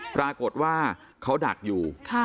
ปรากฏว่าเขาดักอยู่